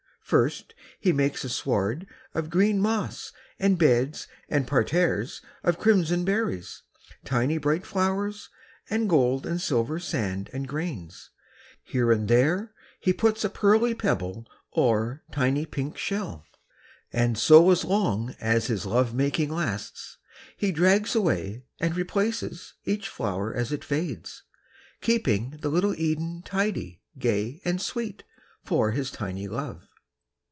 First he makes a sward of green moss and beds and parterres of crimson berries, tiny bright flowers and gold and silver sand and grains. Here and there he puts a pearly pebble or tiny pink shell. And so long as his love making lasts he drags away and replaces each flower as it fades, keeping the little Eden tidy, gay and sweet for his tiny love.